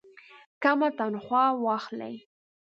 کمه تنخواه واخلي.